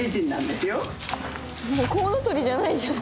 もうコウノトリじゃないじゃん。